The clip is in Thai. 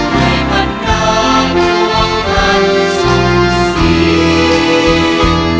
ให้บรรดาทั่วพันธุ์สุขศีล